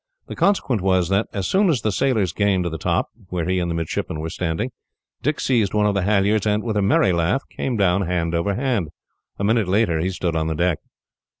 The consequence was that, as soon as the sailors gained the top, where he and the midshipman were standing, Dick seized one of the halliards and, with a merry laugh, came down hand over hand. A minute later, he stood on the deck.